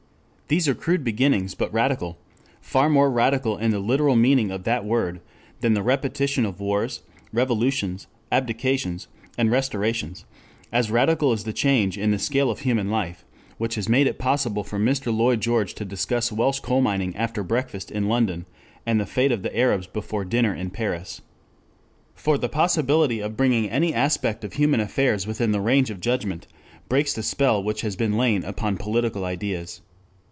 These are crude beginnings but radical, far more radical in the literal meaning of that word than the repetition of wars, revolutions, abdications and restorations; as radical as the change in the scale of human life which has made it possible for Mr. Lloyd George to discuss Welsh coal mining after breakfast in London, and the fate of the Arabs before dinner in Paris. For the possibility of bringing any aspect of human affairs within the range of judgment breaks the spell which has lain upon political ideas.